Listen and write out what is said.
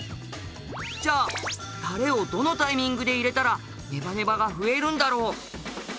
じゃあタレをどのタイミングで入れたらネバネバが増えるんだろう？